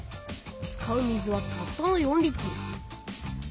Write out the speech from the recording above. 使う水はたったの４リットル。